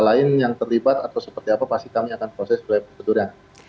tersangka lain yang terlibat atau seperti apa pasti kami akan proses oleh petudang